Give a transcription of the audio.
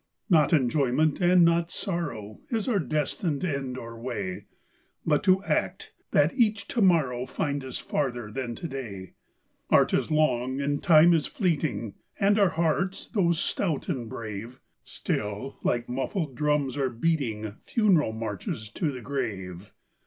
Not enjoyment, and not sorrow, Is our destined end or way; But to act, that each to morrow Find us farther than to day. Art is long, and Time is fleeting, And our hearts, though stout and brave, Still, like muffled drums, are beating Funeral marches to the grave.